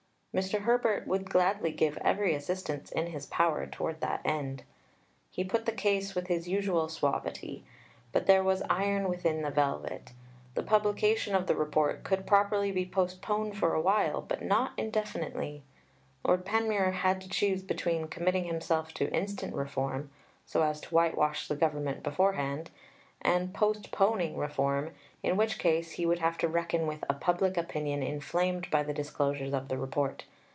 Mr. Herbert would gladly give every assistance in his power towards that end. He put the case with his usual suavity. But there was iron within the velvet. The publication of the Report could properly be postponed for a while, but not indefinitely. Lord Panmure had to choose between committing himself to instant reform, so as to whitewash the Government beforehand, and postponing reform, in which case he would have to reckon with a public opinion inflamed by the disclosures of the Report.